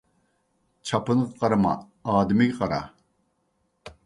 چاپىنىغا قارىما، ئادىمىگە قارا